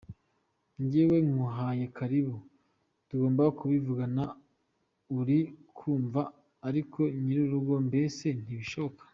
Njyewe nkuhaye karibu tugomba kubivugana uri kumva ariko nyir’urugo mbese ntibishoboka.